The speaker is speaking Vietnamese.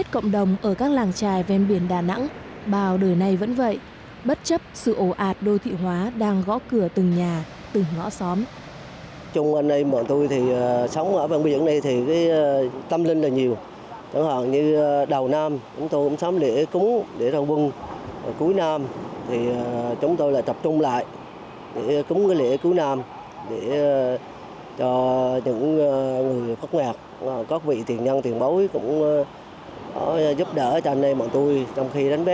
tốc độ đô thị hóa đang gõ cửa từng nhà từng ngõ xóm